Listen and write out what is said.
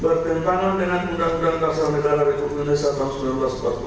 bertentangan dengan undang undang dasar negara republik indonesia tahun seribu sembilan ratus empat puluh lima